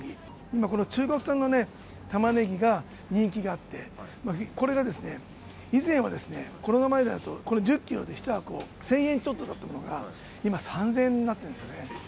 今この中国産のタマネギが人気があって、これがですね、以前はコロナ前だとこれ、１０キロで１箱１０００円ちょっとだったのが、今、３０００円になってるんですよね。